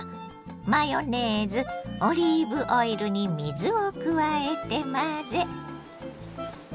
マヨネーズオリーブオイルに水を加えて混ぜ。